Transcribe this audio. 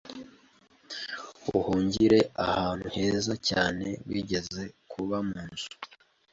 Uhungire ahantu heza cyane wigeze kuba munzu